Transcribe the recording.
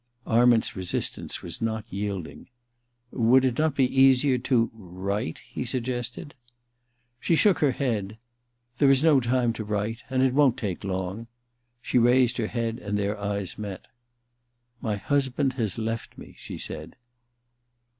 ...' Arment's resistance was not yielding. * Would it not be easier to— write ?' he suggested. She shook her head. * There is no time to write ... and it won't take long.' She raised her head and their eyes met. * My husband has left me,' she said.